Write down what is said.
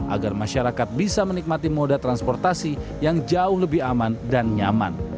agar masyarakat bisa menikmati moda transportasi yang jauh lebih aman dan nyaman